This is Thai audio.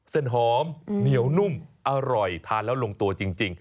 หอมเหนียวนุ่มอร่อยทานแล้วลงตัวจริง